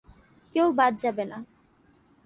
কেউ বাদ যাবে না।